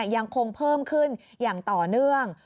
ยังคงเพิ่มขึ้นอย่างต่อเนื่อง